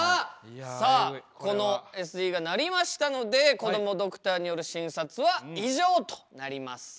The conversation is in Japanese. さあこのＳＥが鳴りましたのでこどもドクターによる診察は以上となります。